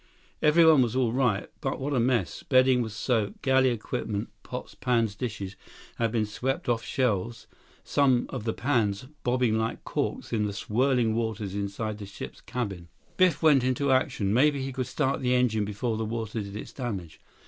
Everyone was all right. But what a mess! Bedding was soaked. Galley equipment, pots, pans, dishes had been swept off shelves, some of the pans bobbing like corks in the swirling waters inside the ship's cabin. 106 Biff went into action. Maybe he could start the engine before the water did its damage.